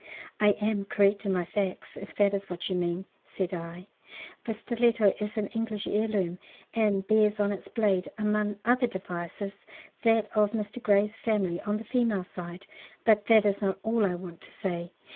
"I am correct in my facts, if that is what you mean," said I. "The stiletto is an English heirloom, and bears on its blade, among other devices, that of Mr. Grey's family on the female side. But that is not all I want to say.